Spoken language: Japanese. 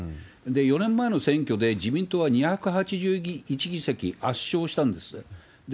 ４年前の選挙で自民党は２８１議席、圧勝したんですよ。